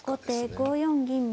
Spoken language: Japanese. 後手５四銀右。